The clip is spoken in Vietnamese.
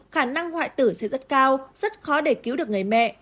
khả năng hoại tử sẽ rất cao rất khó để cứu được người mẹ